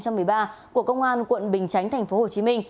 của công an quận bình chánh tp hcm